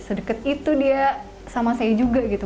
sedekat itu dia sama saya juga gitu